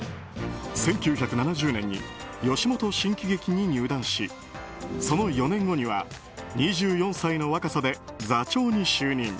１９７０年に吉本新喜劇に入団しその４年後には２４歳の若さで座長に就任。